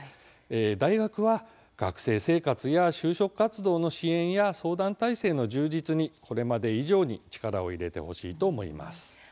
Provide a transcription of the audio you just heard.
大学は学生生活や就職活動の支援や相談体制の充実にこれまで以上に力を入れてほしいと思います。